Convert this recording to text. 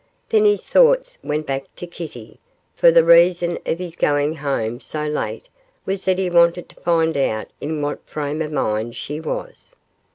Then his thoughts went back to Kitty, for the reason of his going home so late was that he wanted to find out in what frame of mind she was.